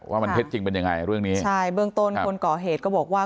ว่ามันเท็จจริงเป็นยังไงเรื่องนี้ใช่เบื้องต้นคนก่อเหตุก็บอกว่า